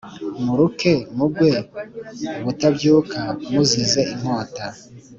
muruke mugwe ubutabyuka muzize inkota